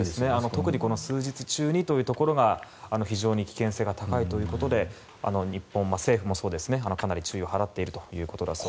特にこの数日中にというところが非常に危険性が高いということで日本政府もかなり注意を払っているということです。